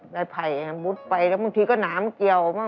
รายไผ่มุดไปแล้วบางทีก็หนาไม่เกี่ยวมาก